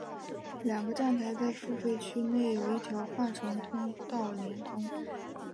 两个站台在付费区内有一条换乘通道连通。